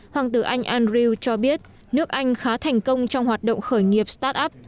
hoàng tử anh andrew cho biết nước anh khá thành công trong hoạt động khởi nghiệp start up